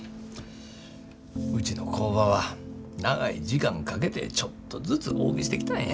うちの工場は長い時間かけてちょっとずつ大きしてきたんや。